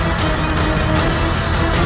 raj kamu tidak apa apa